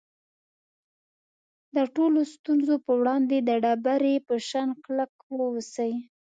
د ټولو ستونزو په وړاندې د ډبرې په شان کلک واوسئ.